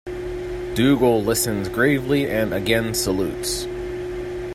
Dougal listens gravely and again salutes.